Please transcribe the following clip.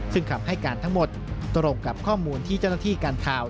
ซึ่งคำให้การทั้งหมดตรงกับข้อมูลที่เจ้าหน้าที่การข่าว